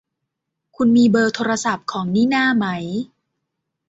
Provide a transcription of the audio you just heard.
คุณมีเบอร์โทรศัพท์ของนิน่าไหม